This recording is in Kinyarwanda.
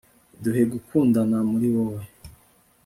duhe gukundana muri wowe